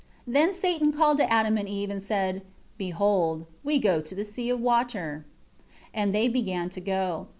8 Then Satan called to Adam and Eve, and said, "Behold, we go to the sea of water," and they began to go.